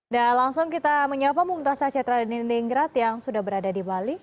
dan langsung kita menyiapkan bumtas aceh tradeningrat yang sudah berada di bali